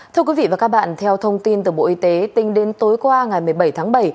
thưa quý vị và các bạn theo thông tin từ bộ y tế tính đến tối qua ngày một mươi bảy tháng bảy